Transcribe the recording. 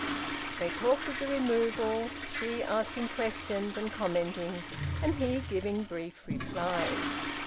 They talked of the removal, she asking questions and commenting, and he giving brief replies.